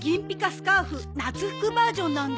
スカーフ夏服バージョンなんだ。